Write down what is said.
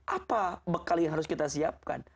apa bekal yang harus kita siapkan